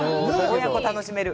親子で楽しめる。